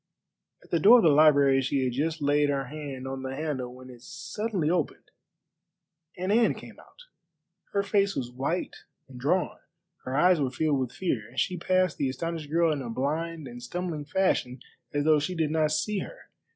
At the door of the library she had just laid her hand on the handle when it suddenly opened, and Anne came out. Her face was white and drawn, her eyes were filled with fear, and she passed the astonished girl in a blind and stumbling fashion as though she did not see her.